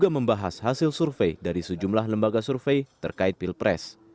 membahas hasil survei dari sejumlah lembaga survei terkait pilpres